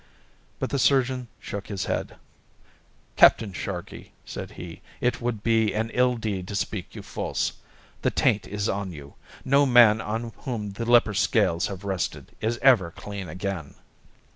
But the surgeon shook his head. "Captain Sharkey," said he, "it would be an ill deed to speak you false. The taint is on you. No man on whom the leper scales have rested is ever clean again."